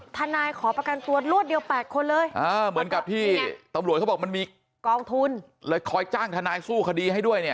ทนายขอประกันตัวรวดเดียว๘คนเลยเหมือนกับที่ตำรวจเขาบอกมันมีกองทุนเลยคอยจ้างทนายสู้คดีให้ด้วยเนี่ย